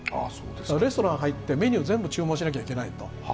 レストランに入ってメニュー全部注文しなきゃいけないと。